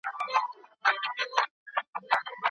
څوك به اوښكي تويوي پر مينانو